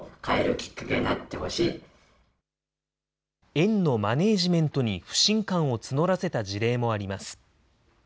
園のマネージメントに不信感を募らせた事例もあります。